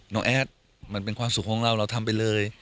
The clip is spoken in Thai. แอดมันเป็นความสุขของเราเราทำไปเลย